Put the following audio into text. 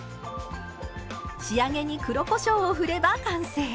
仕上げに黒こしょうを振れば完成。